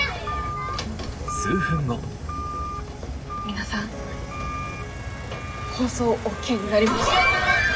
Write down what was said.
皆さん放送オーケーになりました。